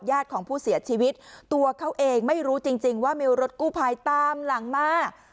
ของผู้เสียชีวิตตัวเขาเองไม่รู้จริงจริงว่ามีรถกู้ภัยตามหลังมา